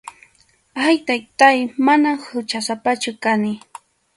Ay, Taytáy, manam huchasapachu kani.